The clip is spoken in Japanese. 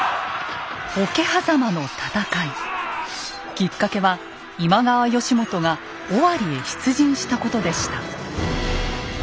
きっかけは今川義元が尾張へ出陣したことでした。